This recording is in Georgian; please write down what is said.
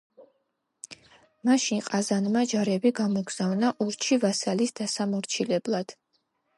მაშინ ყაზანმა ჯარები გამოგზავნა ურჩი ვასალის დასამორჩილებლად.